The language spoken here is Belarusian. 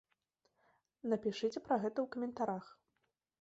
Напішыце пра гэта ў каментарах!